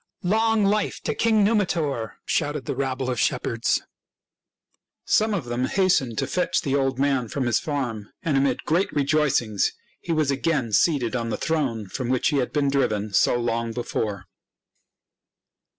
" Long life to King Numitor !" shouted the rabble df shepherds. Some of them hastened to HOW ROME WAS FOUNDED 1 93 fetch the old man from his farm ; and amid great rejoicings he was again seated on the throne from which he had been driven so long before.